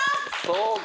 そうか。